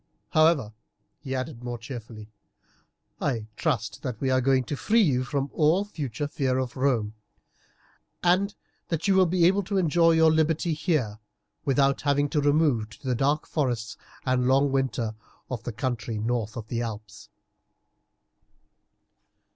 However," he added more cheerfully, "I trust that we are going to free you from all future fear of Rome, and that you will be able to enjoy your liberty here without having to remove to the dark forests and long winter of the country north of the Alps."